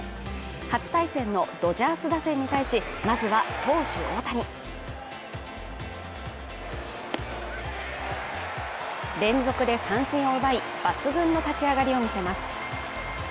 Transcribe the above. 初対戦のドジャース打線に対しまずは投手・大谷連続で三振を奪い、抜群の立ち上がりを見せます。